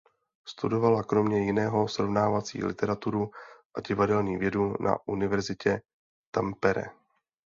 Studovala kromě jiného srovnávací literaturu a divadelní vědu na Univerzitě Tampere.